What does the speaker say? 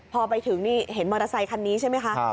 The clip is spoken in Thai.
พอไปถึงนี่เห็นมอเตอร์ไซคันนี้ใช่ไหมคะ